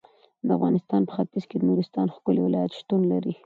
د افغانستان په ختیځ کې د نورستان ښکلی ولایت شتون لري.